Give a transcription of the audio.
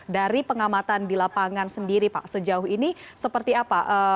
dari pengamatan di lapangan sendiri pak sejauh ini seperti apa